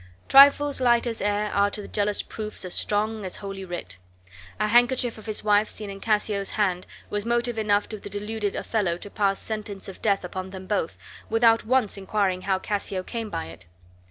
Trifles light as air are to the jealous proofs as strong as holy writ. A handkerchief of his wife's seen in Cassio's hand was motive enough to the deluded Othello to pass sentence of death upon them both, without once inquiring how Cassio came by it.